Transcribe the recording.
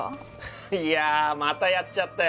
いやまたやっちゃったよ。